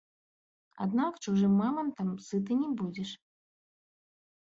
Аднак чужым мамантам сыты не будзеш!